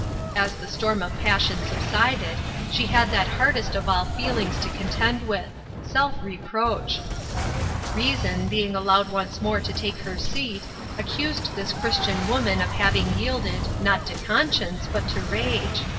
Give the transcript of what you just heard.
As the storm of pas sion subsided, she had that hardest of all feelings to contend with — self reproach. Reason being 88 THE UNEXPECTED. allowed once more to take her seat, accused this Christian woman of having yielded, not to con science, but to rage.